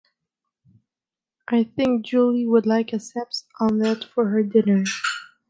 I think Julie would like a ceps omelet for her dinner.